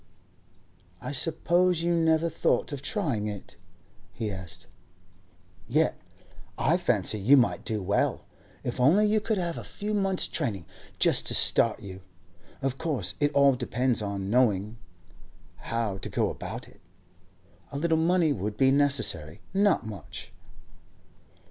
'I suppose you never thought of trying it?' he asked. 'Yet I fancy you might do well, if only you could have a few months' training, just to start you. Of course it all depends on knowing how to go about it. A little money would be necessary—not much.